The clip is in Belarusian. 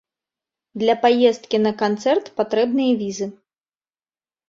Для паездкі на канцэрт патрэбная візы.